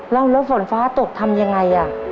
แล้วแล้วฝนฟ้าตกทำยังไงอ่ะ